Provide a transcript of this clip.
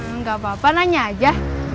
enggak apa apa nanya aja